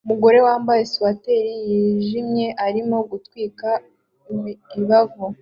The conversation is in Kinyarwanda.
Umugore wambaye swater yijimye arimo gutwika imibavu